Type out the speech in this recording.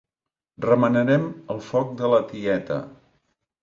Remenaren el foc de la tieta.